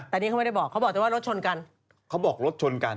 แต่นี่เขาไม่ได้บอกเขาบอกว่ารถชนกัน